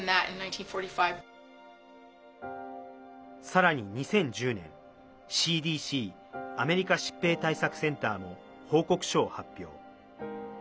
さらに２０１０年、ＣＤＣ＝アメリカ疾病対策センターも報告書を発表。